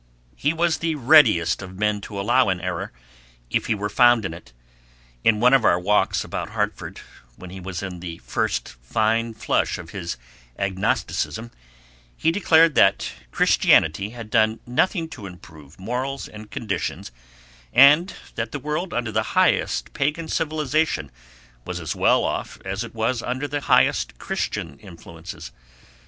He was the readiest of men to allow an error if he were found in it. In one of our walks about Hartford, when he was in the first fine flush of his agnosticism, he declared that Christianity had done nothing to improve morals and conditions, and that the world under the highest pagan civilization was as well off as it was under the highest Christian influences.